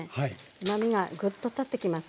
うまみがぐっと立ってきますから。